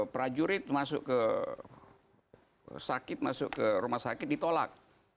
prajurit masuk ke sakit masuk ke rumah sakit ditolak